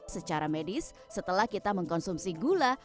secara medis setelah kita mengkonsumsi gula